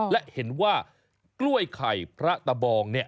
และเห็นว่ากล้วยไข่พระตบอง